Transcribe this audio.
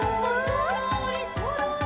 「そろーりそろり」